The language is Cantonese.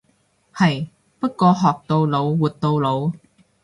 係，不過學到老活到老。